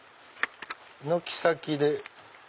軒先で。